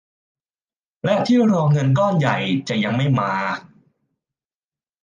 และที่รอเงินก้อนใหญ่จะยังไม่มา